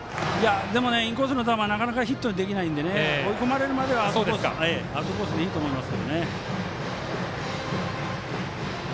でも、インコースの球はなかなかヒットにできないので追い込まれるまではアウトコースでいいと思います。